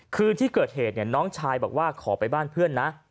คืนที่เกิดเหตุเนี่ยน้องชายบอกว่าขอไปบ้านเพื่อนนะ